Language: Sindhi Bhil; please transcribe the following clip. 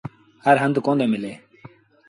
هر هنڌ ڪوندو ملي۔